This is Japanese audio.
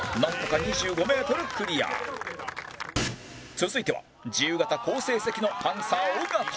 続いては自由形好成績のパンサー尾形